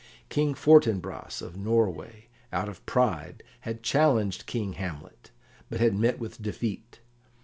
King Fortinbras of Norway, out of pride, had challenged King Hamlet, but had met with defeat.